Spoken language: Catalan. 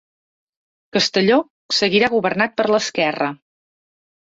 Castelló seguirà governat per l'esquerra